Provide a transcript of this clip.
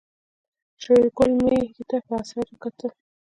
شېرګل ميږې ته په حسرت وکتل.